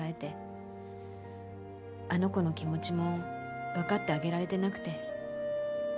あの子の気持ちもわかってあげられてなくて。